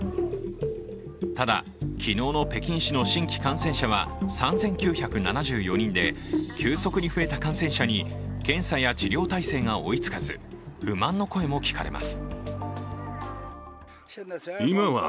ただ、昨日の北京市の新規感染者は３９７４人で急速に増えた感染者に検査や治療体制が追いつかず、不満の声も聞かれます。